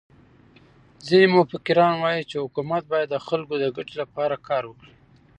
ځيني مفکران وايي، چي حکومت باید د خلکو د ګټي له پاره کار وکړي.